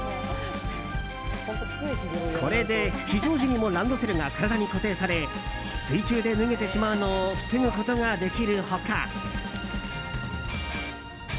これで非常時もランドセルが体に固定され水中で脱げてしまうのを防ぐことができる他。